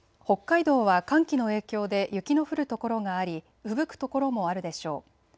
北海道は寒気の影響で雪の降る所がありふぶく所もあるでしょう。